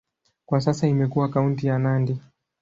Kwa sasa imekuwa kaunti ya Nandi.